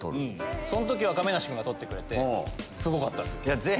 そん時は亀梨君が取ってくれてすごかったっすよ。